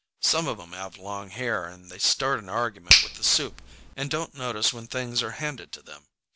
Some of 'em have long hair, and they start an argument with the soup, and don't notice when things are handed to them.